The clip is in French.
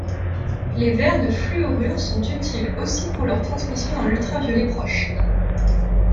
Les verres de fluorures sont utiles aussi pour leur transmission dans l'ultraviolet proche.